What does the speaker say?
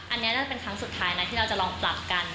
อันนี้น่าจะเป็นครั้งสุดท้ายนะที่เราจะลองปรับกัน